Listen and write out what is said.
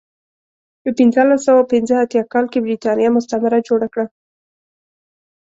په پنځلس سوه پنځه اتیا کال کې برېټانیا مستعمره جوړه کړه.